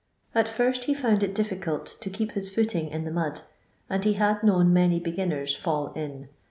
At first he found it difficult to keep his footing in the mud, and he had known many beginners fall in.